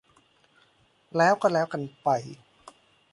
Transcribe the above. แล้วก็แล้วกันไป